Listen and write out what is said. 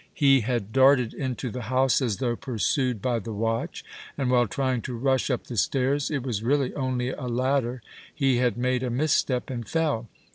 He had darted into the house as though pursued by the watch, and, while trying to rush up the stairs it was really only a ladder he had made a misstep and fell.